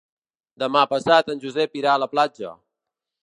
Demà passat en Josep irà a la platja.